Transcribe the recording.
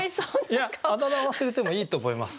いやあだ名忘れてもいいと思います。